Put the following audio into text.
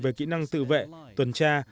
về kỹ năng tự vệ tuần tra